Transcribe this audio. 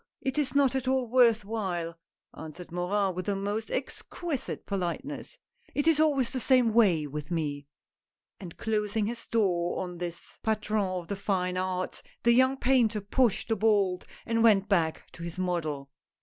it is not at all worth while," answered Morin with the most exquisite politeness, " it is always the same way with me." And closing his door on this patron of the fine arts, the young painter pushed the bolt and went back to his model.